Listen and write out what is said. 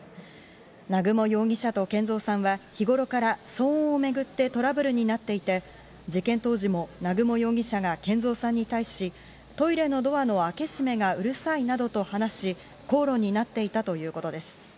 南雲容疑者と賢蔵さんは日頃から騒音をめぐってトラブルになっていて事件当時も南雲容疑者が賢蔵さんに対しトイレのドアの開け閉めがうるさいなどと話し、口論になっていたということです。